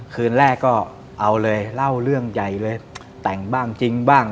คืนแรกก็เอาเลยเล่าเรื่องใหญ่เลยแต่งบ้างจริงบ้าง